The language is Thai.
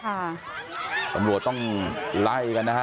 ตำรวจต้องไล่กันนะฮะ